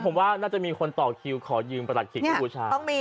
ผมว่าน่าจะมีคนต่อคิวขอยืมประหลัดขิกให้บูชา